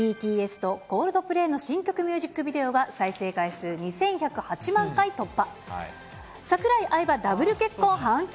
ＢＴＳとコールドプレイの新曲ミュージックビデオが再生回数２１０８万回突破。